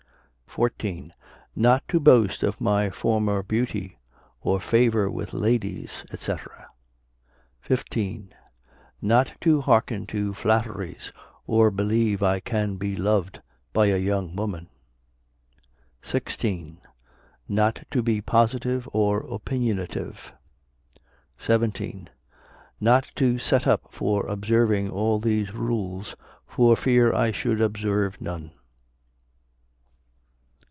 14. Not to boast of my former beauty or favor with ladies, &c. 15. Not to hearken to flatteries, or believe I can be beloved by a young woman. 16. Not to be positive or opiniative. 17. Not to set up for observing all these rules, for fear I should observe none.